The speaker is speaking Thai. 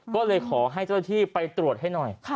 ก็เลยขอให้เจ้าหน้าที่ไปตรวจให้หน่อย